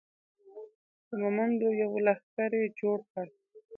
د مومندو یو لښکر یې جوړ کړ.